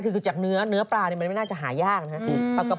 คือจากเนื้อปลามันไม่น่าจะหายากนะครับ